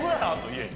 家に。